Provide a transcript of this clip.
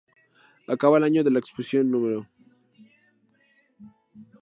Acaba el año en la posición No.